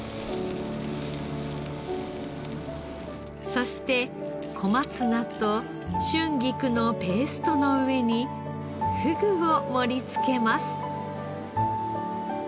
そして小松菜と春菊のペーストの上にふぐを盛り付けます。